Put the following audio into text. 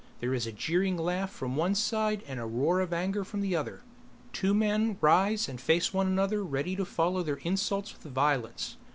There is a jeering laugh from one side and a roar of anger from the other. Two men rise and face one another ready to follow their insults with violence.